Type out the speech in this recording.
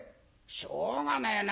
「しょうがねえな